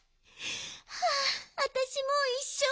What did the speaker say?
はあわたしもういっしょう